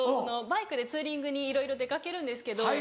バイクでツーリングにいろいろ出掛けるんですけど。